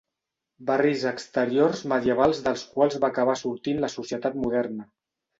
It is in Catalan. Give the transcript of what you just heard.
Barris exteriors medievals dels quals va acabar sortint la societat moderna.